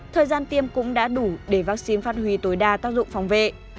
thời gian tiêm cũng đã đủ để vaccine phát huy tối đa tác dụng phòng vệ